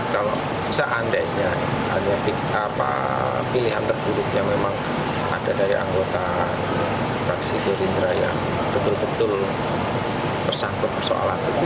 kalau seandainya hanya pilihan terburuknya memang ada dari anggota fraksi gerindra yang betul betul tersangkut persoalan itu